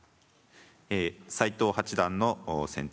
斎藤八段の先手